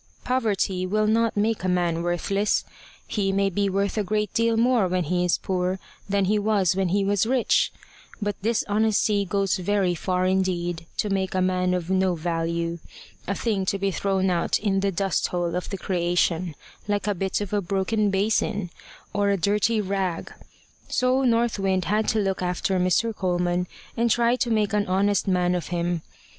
Poverty will not make a man worthless he may be worth a great deal more when he is poor than he was when he was rich; but dishonesty goes very far indeed to make a man of no value a thing to be thrown out in the dust hole of the creation, like a bit of a broken basin, or a dirty rag. So North Wind had to look after Mr. Coleman, and try to make an honest man of him.